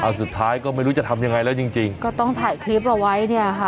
สุดท้ายก็ไม่รู้จะทำยังไงแล้วจริงจริงก็ต้องถ่ายคลิปเอาไว้เนี่ยค่ะ